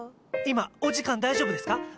今お時間大丈夫ですか？